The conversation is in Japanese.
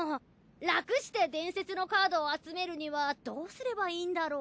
ラクして伝説のカードを集めるにはどうすればいいんだろう。